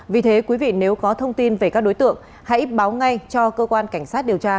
vì thế quý vị nếu có thông tin về các đối tượng hãy báo ngay cho cơ quan cảnh sát điều tra